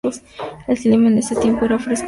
El clima en ese tiempo era fresco, seco y claro.